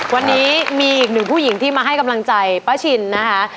วันนี้มีอีกหนึ่งผู้หญิงที่มาให้กำลังใจป้าชินนะคะ